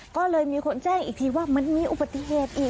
ก็เลยมีคนแจ้งอีกทีว่ามันมีอุบัติเหตุอีก